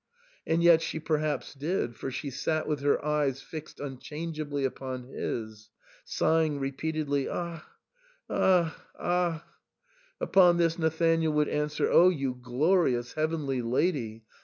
And yet she perhaps did, for she sat with her eyes fixed unchangeably upon his, sighing repeatedly, " Ach ! Ach ! Ach !" Upon this Nathanael would answer, " Oh, you glorious heavenly lady